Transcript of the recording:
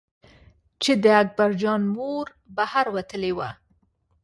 چې د اکبر جان مور بهر وتلې وه.